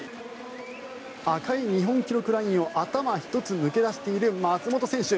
赤い日本記録ラインを頭一つ抜け出している松元選手。